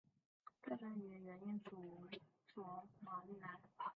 出生于原英属索马利兰。